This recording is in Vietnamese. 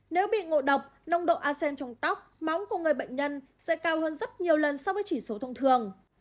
nếu bị ngộ độc nông độ a sen trong tóc móng của người bệnh nhân sẽ cao hơn rất nhiều lần so với chỉ số thông thường